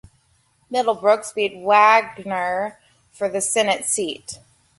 Middlebrooks beat Wagner for the senate seat.